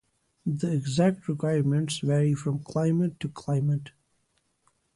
The exact requirements vary from climate to climate.